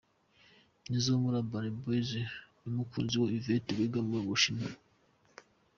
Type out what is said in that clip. Nizzo wo muri Urban Boys n’umukunzi we Yvette wiga mu Bushinwa.